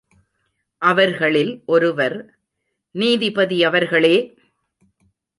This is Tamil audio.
அவர்களில் ஒருவர், நீதிபதி அவர்களே!